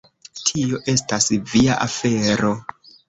Tio estas via afero!